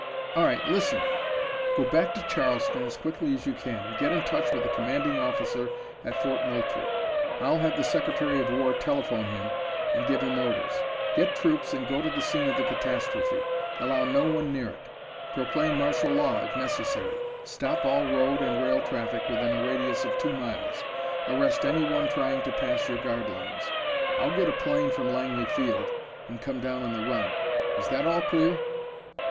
All right, listen. Go back to Charleston as quickly as you can and get in touch with the commanding officer at Fort Moultrie. I'll have the Secretary of War telephone him and give him orders. Get troops and go to the scene of the catastrophe. Allow no one near it. Proclaim martial law if necessary. Stop all road and rail traffic within a radius of two miles. Arrest anyone trying to pass your guard lines. I'll get a plane from Langley Field and come down on the run. Is that all clear?"